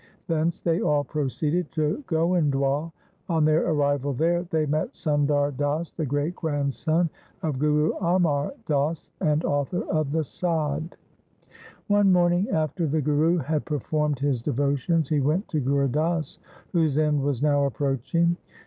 Thence they all proceeded to Goindwal. On their arrival there, they met Sundar Das, the great grandson of Guru Amar Das and author of the 'Sadd'. One morning after the Guru had performed his devotions he went to Gur Das, whose end was now approaching.